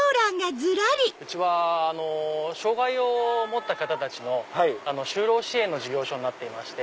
うちは障がいを持った方たちの就労支援の事業所になってまして。